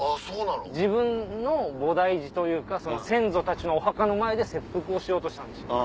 自分の菩提寺というか先祖たちのお墓の前で切腹をしようとしたんですよ。